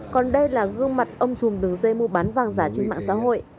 còn đây là gương mặt ông chùm đường dây mua bán vàng giả trên mạng xã hội